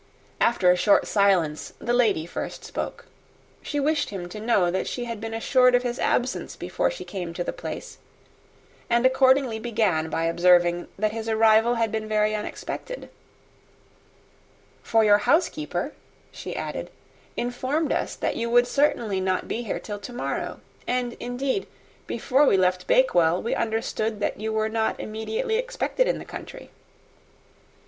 After a short silence the lady first spoke. She wished him to know that she had been assured of his absence before she came to the place, and accordingly began by observing, that his arrival had been very unexpected "for your housekeeper," she added, "informed us that you would certainly not be here till to morrow; and, indeed, before we left Bakewell, we understood that you were not immediately expected in the country."